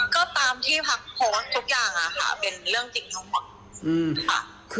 ก็ตามที่พักโพสต์ทุกอย่างค่ะเป็นเรื่องจริงทั้งหมดค่ะ